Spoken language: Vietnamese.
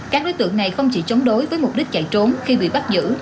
các đối tượng này không chỉ chống đối với mục đích chạy trốn khi bị bắt giữ